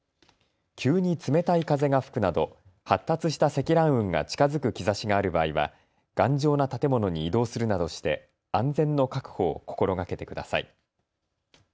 急に冷たい風が吹くなど発達した積乱雲が近づく兆しがある場合は頑丈な建物に移動するなどして安全の確保を心がけてください。